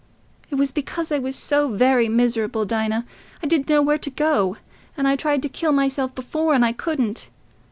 It was because I was so very miserable, Dinah... I didn't know where to go... and I tried to kill myself before, and I couldn't.